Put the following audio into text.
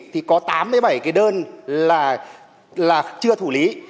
thì có tám mươi bảy cái đơn là chưa thủ lý